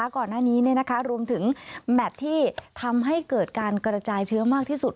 ก่อนหน้านี้รวมถึงแมทที่ทำให้เกิดการกระจายเชื้อมากที่สุด